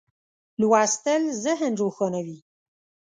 لوستل ذهن روښانوي.